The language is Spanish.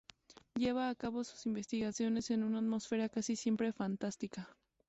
Lleva a cabo sus investigaciones en una atmósfera casi siempre fantástica.